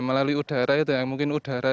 melalui udara itu ya mungkin udara